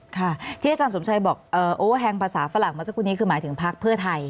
ที่อาจารย์สมชัยบอกโอเวอแห่งภาษาฝรั่งของนี้คือหมายถึงพักเพื่อไทย